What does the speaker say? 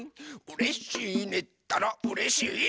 「うれしいねったらうれしいよ」